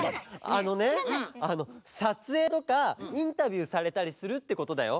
あのねあのさつえいとかインタビューされたりするってことだよ。